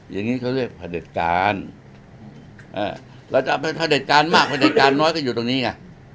อย่างนี้เขาเรียกพระเด็จการเราจะเป็นพระเด็จการมากพระเด็จการน้อยก็อยู่ตรงนี้ไง